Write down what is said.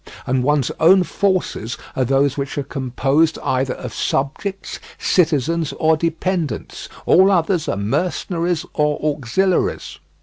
And one's own forces are those which are composed either of subjects, citizens, or dependents; all others are mercenaries or auxiliaries.